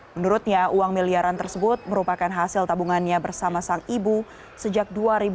menurutnya uang miliaran tersebut merupakan hasil tabungannya bersama sang ibu sejak dua ribu dua